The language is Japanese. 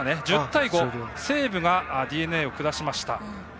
１０対５、西武がＤｅＮＡを下しました。